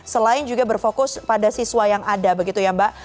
selain juga berfokus pada siswa yang ada begitu ya mbak